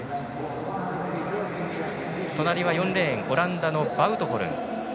隣は４レーン、オランダのバウトホルン。